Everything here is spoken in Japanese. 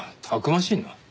たくましいな。